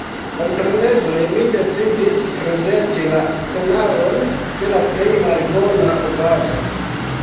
Kompreneble, mi decidis prezenti la scenaron de la plej malbona okazo.